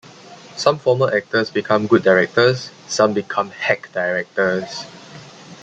Some former actors become good directors; some become hack directors.